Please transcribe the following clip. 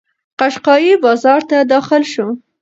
قشقایي بازار ته داخل شو.